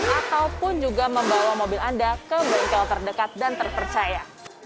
ataupun juga membawa mobil anda ke bengkel terdekat dan terpercaya